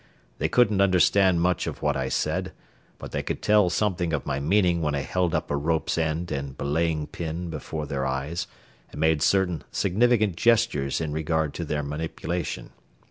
They couldn't understand much of what I said, but they could tell something of my meaning when I held up a rope's end and belaying pin before their eyes and made certain significant gestures in regard to their manipulation.